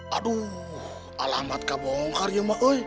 aduh alamat kak bongkar ya emak